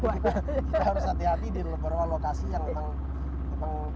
kita harus hati hati di beberapa lokasi yang memang